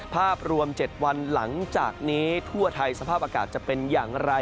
ภาพรวม๗วันหลังจากนี้ทั่วไทยสภาพอากาศจะเป็นอย่างไร